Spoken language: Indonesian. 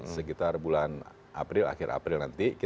sekitar bulan april akhir april nanti